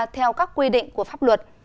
theo các quy định của pháp luật